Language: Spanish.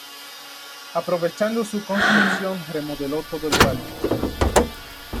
Aprovechando su construcción se remodeló todo el parque.